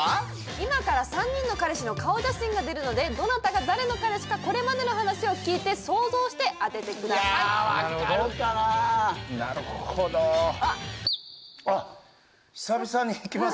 今から３人の彼氏の顔写真が出るのでどなたが誰の彼氏かこれまでの話を聞いて想像して当ててくださいいや分かるかななるほどあっ久々にいきます？